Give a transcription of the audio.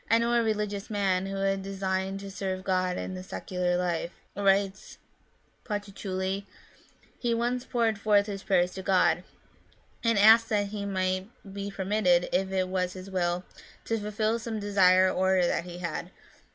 "I know a religious man who had designed to serve God in the secular life," writes Paciuchelli (Jn Jonam^ vol. i. p. 9) ;" he once poured forth his prayers to God, and asked that he might be per mitted, if it were His will, to fulfil some desire or other that he had.